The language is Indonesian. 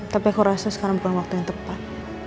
tapi aku rasa sekarang bukan waktu yang tepat